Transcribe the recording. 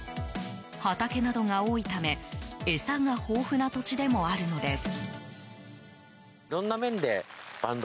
畑などが多いため餌が豊富な土地でもあるのです。